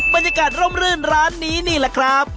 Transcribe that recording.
บรรยากาศร่มรื่นร้านนี้นี่แหละครับ